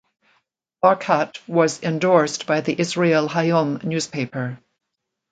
Barkat was endorsed by the "Israel Hayom" newspaper.